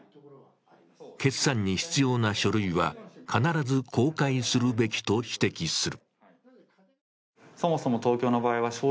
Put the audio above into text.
決算に必要な書類は必ず公開するべきと指摘する。